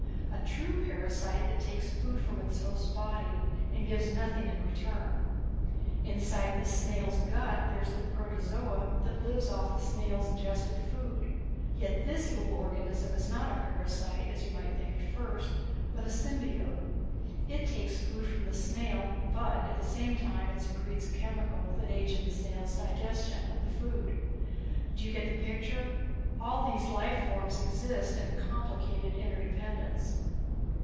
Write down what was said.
A true parasite that takes food from its host's body and gives nothing in return. Inside this snail's gut there is a protozoan that lives off the snail's ingested food. Yet this little organism is not a parasite, as you might think at first, but a symbiote. It takes food from the snail, but at the same time it secretes a chemical that aids the snail's digestion of the food. Do you get the picture? All these life forms exist in a complicated interdependence."